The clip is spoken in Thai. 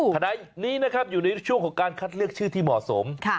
ขณะนี้นะครับอยู่ในช่วงของการคัดเลือกชื่อที่เหมาะสม